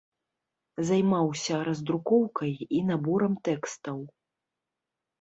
Займаўся раздрукоўкай і наборам тэкстаў.